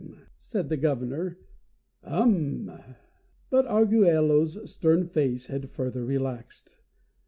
said the Governor. "Um!" But Arguello's stern face had further relaxed.